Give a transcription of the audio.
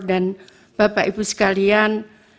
dan bapak ibu sekalian